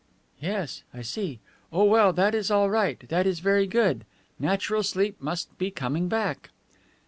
"Yes, I see. Oh, well, that is all right; that is very good. Natural sleep must be coming back..."